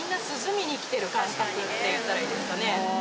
感覚って言ったらいいですかね。